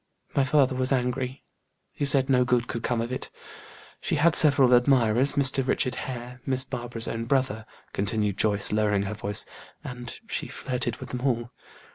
My father was angry; he said no good could come of it. She had several admirers, Mr. Richard Hare, Miss Barbara's own brother," continued Joyce, lowering her voice, "and she flirted with them all.